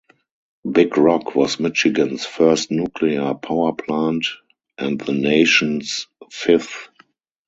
Big Rock was Michigan's first nuclear power plant and the nation's fifth.